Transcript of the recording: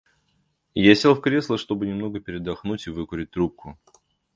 Я сел в кресло, чтобы немного передохнуть и выкурить трубку.